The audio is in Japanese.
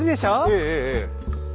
ええええええ。